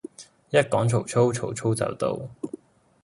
一講曹操曹操就到